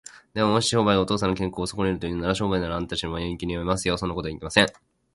でも、もし商売がお父さんの健康をそこねるというのなら、商売なんかあしたにでも永久にやめますよ。そんなことはいけません。